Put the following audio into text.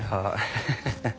ハハハッ。